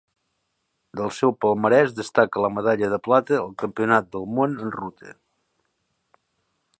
Del seu palmarès destaca la medalla de plata al Campionat del Món en ruta.